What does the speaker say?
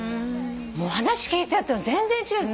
話聞いてたのと全然違う。